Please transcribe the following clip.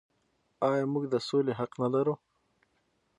آیا موږ د سولې حق نلرو؟